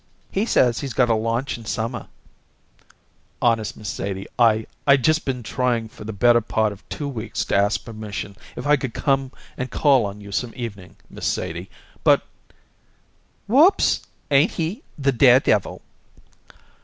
"He says he's got a launch in summer " "Honest, Miss Sadie, I I just been trying for the better part of two weeks to ask permission if I could come and call on you some evening, Miss Sadie, but " "Whoops! ain't he the daredevil!"